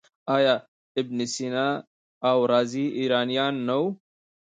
آیا ابن سینا او رازي ایرانیان نه وو؟